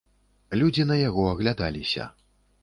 Людзі на яго аглядаліся.